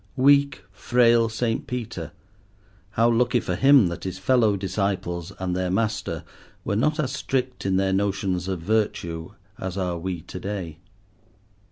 weak, frail St. Peter, how lucky for him that his fellow disciples and their Master were not as strict in their notions of virtue as are we to day.